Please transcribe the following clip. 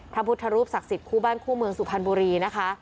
พระพุทธรูปศักดิ์สิทธิคู่บ้านคู่เมืองสุพรรณบุรีนะคะ